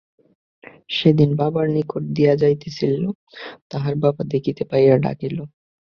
সেদিন বাবার নিকট দিয়া যাইতেছিল, তাহার বাবা দেখিতে পাইয়া ডাকিল।